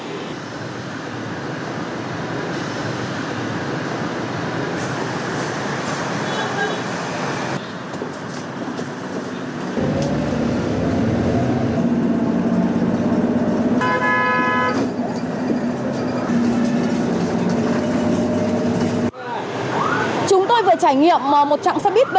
hãy cùng chúng tôi tìm hiểu